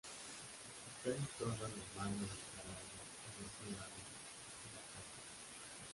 Está situado en el Mar Mediterráneo en la ciudad de Latakia.